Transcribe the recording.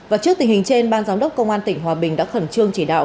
và trước tình hình trên ban giám đốc công an tỉnh hòa bình đã khẩn trương chỉ đạo